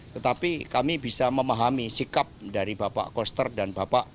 tetapi kami bisa memahami sikap dari bapak koster dan bapak